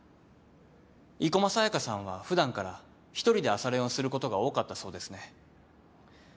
生駒沙耶香さんは普段から１人で朝練をすることが多かったそうですね。